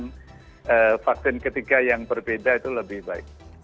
karena vaksin ketiga yang berbeda itu lebih baik